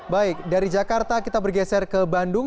baik dari jakarta kita bergeser ke bandung